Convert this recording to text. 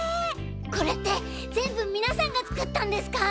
これって全部みなさんが作ったんですか？